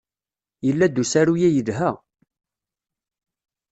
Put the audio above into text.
Yella-d usaru-a yelha.